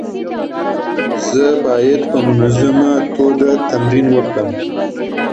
زه باید په منظمه توګه تمرین وکړم.